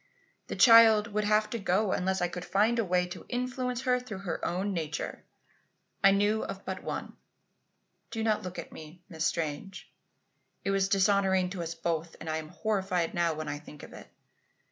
The child would have to go unless I could find a way to influence her through her own nature. I knew of but one do not look at me, Miss Strange. It was dishonouring to us both, and I'm horrified now when I think of it.